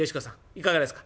いかがですか？」。